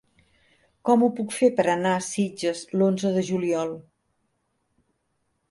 Com ho puc fer per anar a Sitges l'onze de juliol?